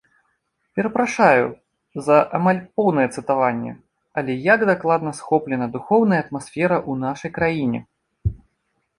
Перапрашаю за амаль поўнае цытаванне, але як дакладна схоплена духоўная атмасфера ў нашай краіне!